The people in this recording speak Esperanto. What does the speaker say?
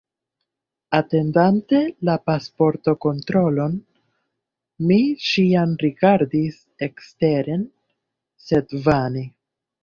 Atendante la pasportokontrolon, mi ĉiam rigardis eksteren, sed vane.